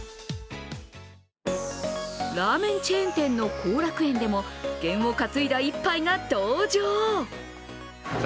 ラーメンチェーン店の幸楽苑でも験を担いだ一杯が登場。